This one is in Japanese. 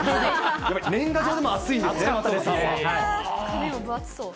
やっぱり年賀状でも熱いんで紙も分厚そう。